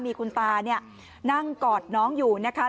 มีคุณตานั่งกอดน้องอยู่นะคะ